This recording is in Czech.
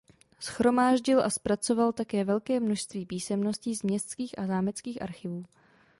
Shromáždil a zpracoval také velké množství písemností z městských a zámeckých archivů.